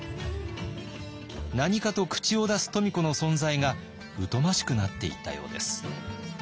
何かと口を出す富子の存在が疎ましくなっていったようです。